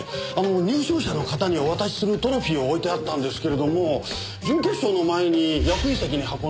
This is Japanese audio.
入賞者の方にお渡しするトロフィーを置いてあったんですけれども準決勝の前に役員席に運んで並べましたから。